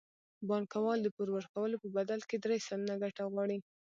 بانکوال د پور ورکولو په بدل کې درې سلنه ګټه غواړي